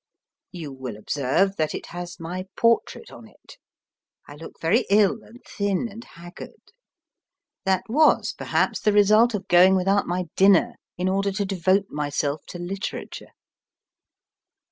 You will observe that it has my portrait on it. I look very ill and thin and haggard. That was, perhaps, the result of going without my din ner in order to devote myself to literature.